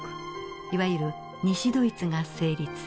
いわゆる西ドイツが成立。